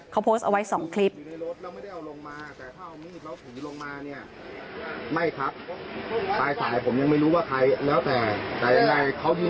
เขาโพสต์เอาไว้๒คลิป